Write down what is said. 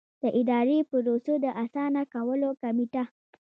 د اداري پروسو د اسانه کولو کمېټه.